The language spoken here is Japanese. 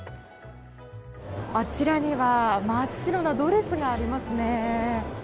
あちらには真っ白なドレスがありますね。